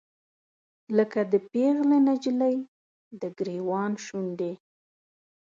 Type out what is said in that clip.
لکه د پیغلې نجلۍ، دګریوان شونډې